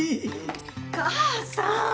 母さん！